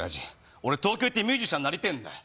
俺、東京行ってミュージシャンになりたいんだよ。